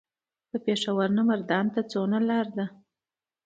د پېښور نه مردان ته څومره لار ده؟